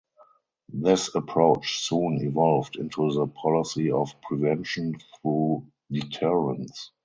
This approach soon evolved into the policy of Prevention through Deterrence.